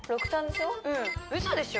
うん嘘でしょ！？